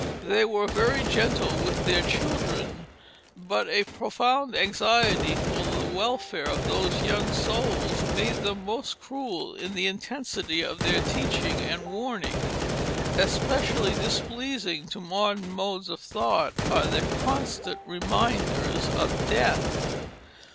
They were very gentle with their children; but a profound anxiety for the welfare of those young souls made them most cruel in the intensity of their teaching and warning; especially displeasing to modern modes of thought are their constant reminders of death.